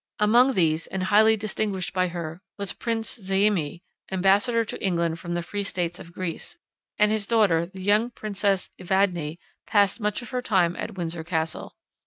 Among these, and highly distinguished by her, was Prince Zaimi, ambassador to England from the free States of Greece; and his daughter, the young Princess Evadne, passed much of her time at Windsor Castle.